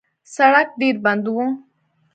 سړک ډېر بند و.